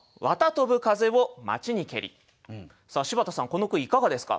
さあ柴田さんこの句いかがですか？